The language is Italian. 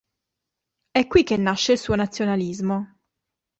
È qui che nasce il suo nazionalismo.